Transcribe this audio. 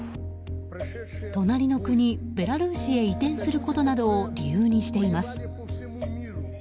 隣の国ベラルーシへ移転することなどを理由にしています。